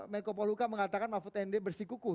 menko poluka mengatakan mahfud md bersikuku